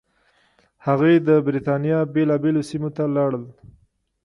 هغوی د برېټانیا بېلابېلو سیمو ته لاړل.